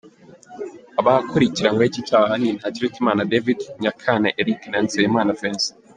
Abakurikiranyweho iki cyaha ni Ntakirutimana David, Nyakana Eric na Nzeyimana Vincent.